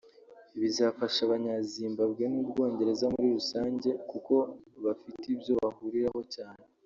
bizafasha abanya-Zimbabwe n’u Bwongereza muri rusange kuko bafite ibyo bahuriraho cyane